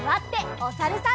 おさるさん。